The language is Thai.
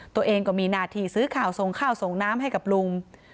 ตัวเองก็มีหน้าที่ซื้อข่าวส่งข้าวส่งน้ำให้กับลุง